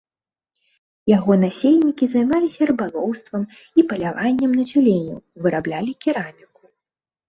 Яго насельнікі займаліся рыбалоўствам і паляваннем на цюленяў, выраблялі кераміку.